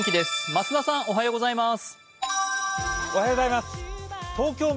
増田さん、おはようございます。